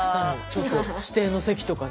ちょっと指定の席とかね。